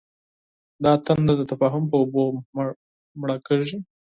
دا تنده د تفاهم په اوبو مړ کېږي.